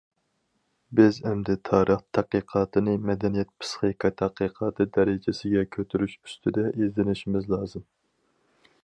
بىز ئەمدى تارىخ تەتقىقاتىنى مەدەنىيەت پىسخىكا تەتقىقاتى دەرىجىسىگە كۆتۈرۈش ئۈستىدە ئىزدىنىشىمىز لازىم.